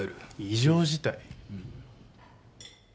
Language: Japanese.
異常事態？